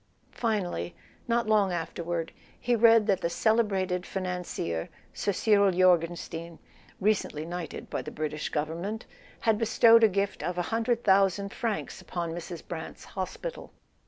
Finally, not long after¬ ward, he read that the celebrated financier, Sir Cyril Jorgenstein (recently knighted by the British Govern¬ ment) had bestowed a gift of a hundred thousand francs upon Mrs. Brant's hospital.